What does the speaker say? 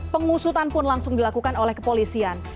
pengusutan pun langsung dilakukan oleh kepolisian